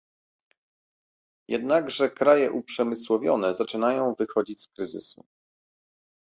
Jednakże kraje uprzemysłowione zaczynają wychodzić z kryzysu